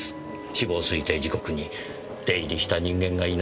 死亡推定時刻に出入りした人間がいないとなれば。